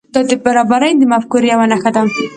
دا د برابري د مفکورې یو نښه ده.